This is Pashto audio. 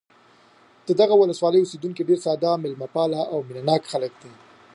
د دغه ولسوالۍ اوسېدونکي ډېر ساده، مېلمه پال او مینه ناک خلک دي.